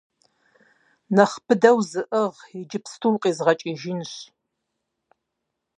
- Нэхъ быдэу зыӀыгъ, иджыпсту укъизгъэкӀыжынщ!